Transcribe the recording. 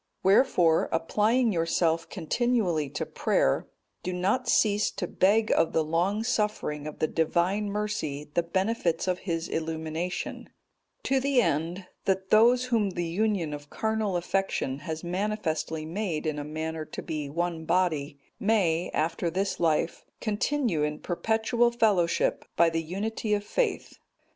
"Wherefore, applying yourself continually to prayer, do not cease to beg of the long suffering of the Divine Mercy the benefits of his illumination; to the end, that those whom the union of carnal affection has manifestly made in a manner to be one body, may, after this life continue in perpetual fellowship, by the unity of faith.